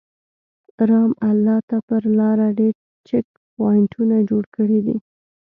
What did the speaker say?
رام الله ته پر لاره ډېر چک پواینټونه جوړ کړي دي.